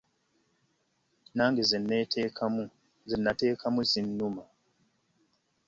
Nange ze nateekamu zinnuma.